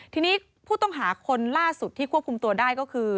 ทีนี้ผู้ต้องหาคนล่าสุดที่ควบคุมตัวได้ก็คือ